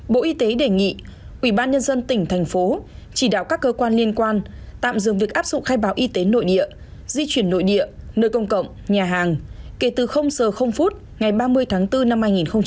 bộ y tế đề nghị ubnd tỉnh thành phố chỉ đạo các cơ quan liên quan tạm dừng việc áp dụng khai báo y tế nội địa di chuyển nội địa nơi công cộng nhà hàng kể từ giờ phút ngày ba mươi tháng bốn năm hai nghìn hai mươi